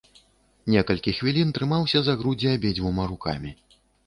Некалькі хвілін трымаўся за грудзі абедзвюма рукамі.